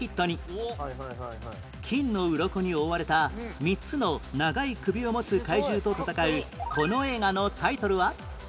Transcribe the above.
金のウロコに覆われた３つの長い首を持つ怪獣と戦うこの映画のタイトルは？